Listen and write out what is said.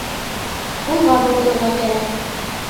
Һулға боролорға кәрәк